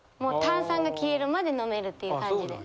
炭酸が消えるまで飲めるっていう感じで。